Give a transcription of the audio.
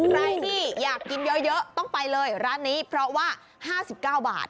ใครที่อยากกินเยอะต้องไปเลยร้านนี้เพราะว่า๕๙บาท